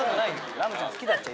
「ラムちゃん好きだっちゃ」